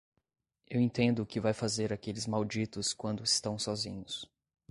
Eu entendo o que vai fazer aqueles malditos quando estão sozinhos.